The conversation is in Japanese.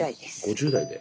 ５０代で。